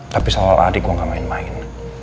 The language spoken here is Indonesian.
tapi soal adik gue gak main main